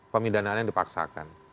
pemidanaan yang dipaksakan